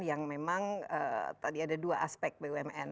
yang memang tadi ada dua aspek bumn